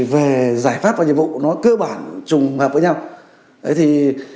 về giải pháp và nhiệm vụ nó cơ bản chùng hợp với nhau đấy thì